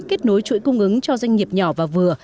kết nối chuỗi cung ứng cho doanh nghiệp nhỏ và vừa